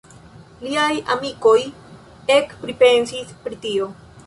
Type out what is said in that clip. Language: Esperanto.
Liaj amikoj ekpripensis pri tio.